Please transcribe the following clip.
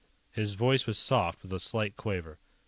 His voice was soft, with a slight quaver.